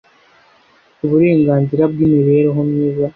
uburenganzira bw'imibereho myiza,